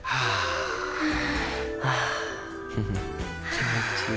気持ちいい。